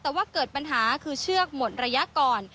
แต่ว่าเกิดปัญหาคือเชือกหมดระยะก่อน